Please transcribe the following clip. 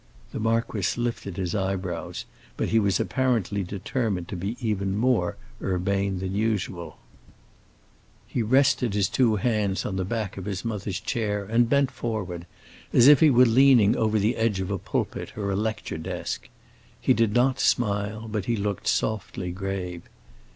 The marquis lifted his eyebrows; but he was apparently determined to be even more urbane than usual. He rested his two hands upon the back of his mother's chair and bent forward, as if he were leaning over the edge of a pulpit or a lecture desk. He did not smile, but he looked softly grave.